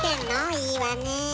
いいわねえ。